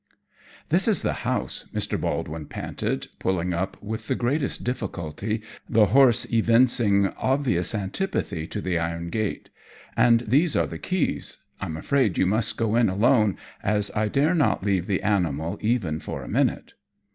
"This is the house," Mr. Baldwin panted, pulling up with the greatest difficulty, the horse evincing obvious antipathy to the iron gate. "And these are the keys. I'm afraid you must go in alone, as I dare not leave the animal even for a minute."